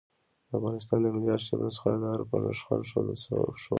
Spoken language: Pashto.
د افغانستان د ملي آرشیف نسخه د آر په نخښه ښوول کېږي.